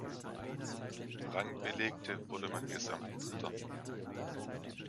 Rang belegte, wurde man Gesamtdritter.